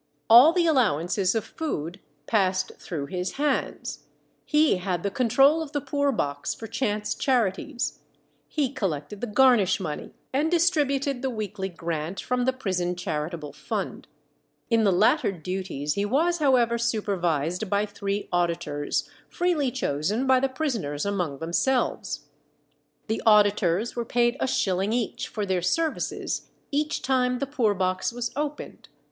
All the allowances of food passed through his hands; he had the control of the poor box for chance charities, he collected the garnish money, and distributed the weekly grant from the prison charitable fund. In the latter duties he was, however, supervised by three auditors, freely chosen by the prisoners among themselves. The auditors were paid a shilling each for their services each time the poor box was opened.